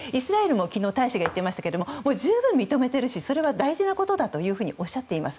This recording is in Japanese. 昨日、大使も言っていますけど十分認めていますしそれは大事なことだとおっしゃっています。